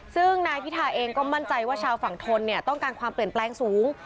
ซึ่งนายพิธาเองก็มั่นใจว่าชาวฝั่งทนเนี่ยต้องการความเปลี่ยนแปลงสูง